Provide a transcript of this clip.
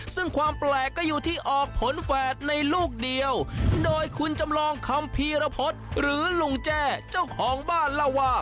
ซึ่งความแปลกก็อยู่ที่ออกผลแฝดในลูกเดียวโดยคุณจำลองคำพีรพฤษหรือลุงแจ้เจ้าของบ้านเล่าว่า